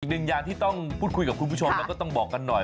อีกหนึ่งอย่างที่ต้องคุยกับคุณผู้ชมต้องบอกกันหน่อย